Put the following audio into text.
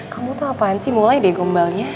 kamu tuh ngapain sih mulai deh gombalnya